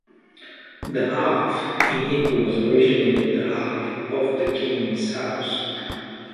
The hearth in it was originally the hearth of the king's house.